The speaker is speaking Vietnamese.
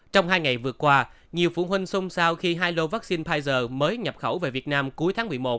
trong hai ngày vừa qua nhiều phụ huynh xông xao khi hai lô vaccine pfizer mới nhập khẩu về việt nam cuối tháng một mươi một